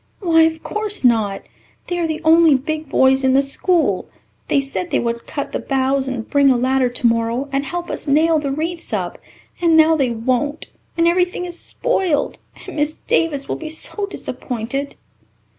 "Why, of course not. They are the only big boys in the school. They said they would cut the boughs, and bring a ladder tomorrow and help us nail the wreaths up, and now they won't ... and everything is spoiled ... and Miss Davis will be so disappointed."